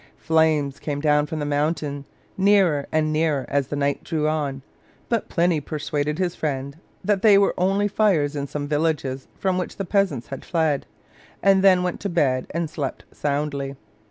Flames came down from the mountain, nearer and nearer as the night drew on; but Pliny persuaded his friend that they were only fires in some villages from which the peasants had fled, and then went to bed and slept soundly.